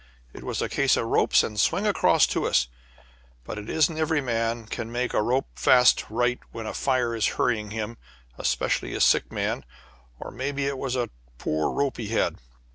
It was a case of ropes and swing across to us, but it isn't every man can make a rope fast right when a fire is hurrying him, especially a sick man, or mebbe it was a poor rope he had.